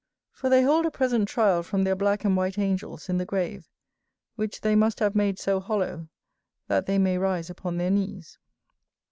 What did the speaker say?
For they hold a present trial from their black and white angels in the grave; which they must have made so hollow, that they may rise upon their knees.